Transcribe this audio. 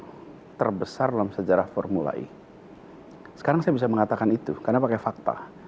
itu terbesar dalam sejarah formula e sekarang saya bisa mengatakan itu karena pakai fakta